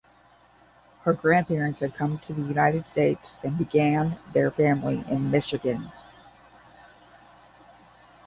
Her grandparents had come to the United States and began their family in Michigan.